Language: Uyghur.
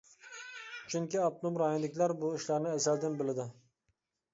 چۈنكى ئاپتونوم رايونىدىكىلەر بۇ ئىشلارنى ئەزەلدىن بىلىدۇ.